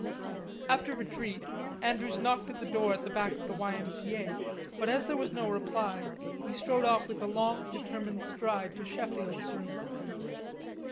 After retreat Andrews knocked at the door at the back of the Y. M. C. A., but as there was no reply, he strode off with a long, determined stride to Sheffield's room.